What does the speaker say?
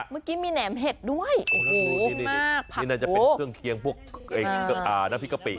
เมื่อกี้มีแหนมเห็ดด้วยโอ้โหนี่น่าจะเป็นเครื่องเคียงพวกน้ำพริกกะปิ